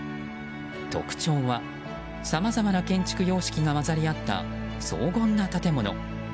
特徴は、さまざまな建築様式が混ざり合った荘厳な建物。